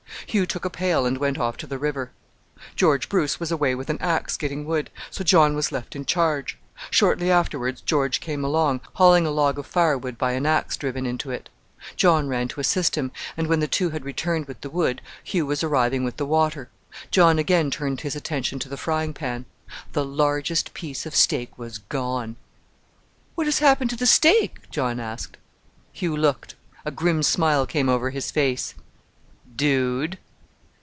Hugh took a pail and went off to the river. George Bruce was away with an axe getting wood, so John was left in charge. Shortly afterwards George came along, hauling a log of firewood by an axe driven into it. John ran to assist him, and when the two had returned with the wood Hugh was arriving with the water. John again turned his attention to the frying pan: the largest piece of steak was gone! "What has happened to the steak?" John asked. Hugh looked. A grim smile came over his face. "Dude!"